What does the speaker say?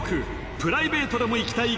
プライベートでも行きたい